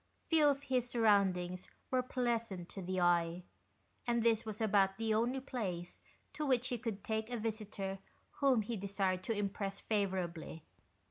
Few of his surroundings were pleasant to the eye, and this was about the only place to which he could take a visitor whom he desired to impress favourably.